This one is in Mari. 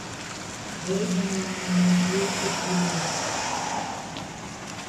— Эргымлан, манам, ече кӱлеш...